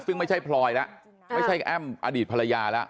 ซึ่งไม่ใช่พลอยแล้วไม่ใช่แอ้มอดีตภรรยาแล้ว